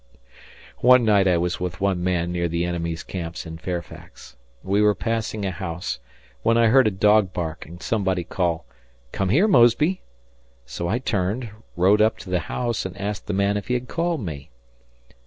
One night I was with one man near the enemy's camps in Fairfax. We were passing a house, when I heard a dog bark and somebody call, "Come here, Mosby." So I turned, rode up to the house, and asked the man if he had called me.